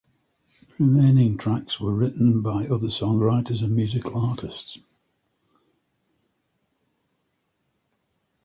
The remaining tracks were written by other songwriters and musical artists.